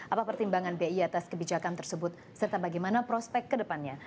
apa pertimbangan bi atas kebijakan tersebut serta bagaimana prospek ke depannya